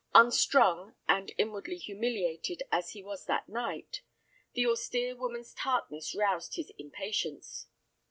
Unstrung and inwardly humiliated as he was that night, the austere woman's tartness roused his impatience.